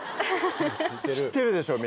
知ってるでしょ